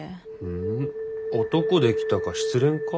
うん男できたか失恋か？